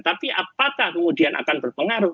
tapi apakah kemudian akan berpengaruh